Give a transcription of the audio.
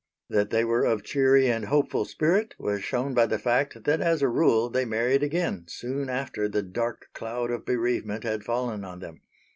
That they were of cheery and hopeful spirit was shown by the fact that as a rule they married again soon after the dark cloud of bereavement had fallen on them.